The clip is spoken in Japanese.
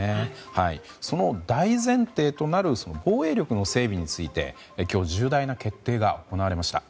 その大前提となる防衛力の整備について今日重大な決定が行われました。